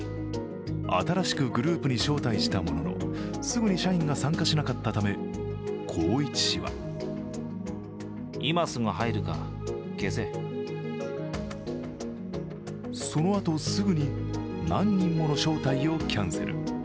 新しくグループに招待したもののすぐに社員が参加しなかったため宏一氏はそのあとすぐに何人もの招待をキャンセル。